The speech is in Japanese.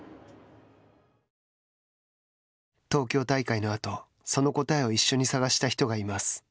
東京大会のあとその答えを一緒に探した人がいます。